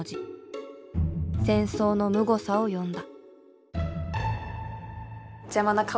戦争のむごさを詠んだ。